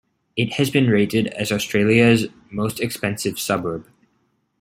It has been rated as Australia's most expensive suburb.